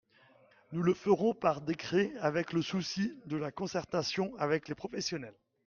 Nous le ferons par décret, avec le souci de la concertation avec les professionnels.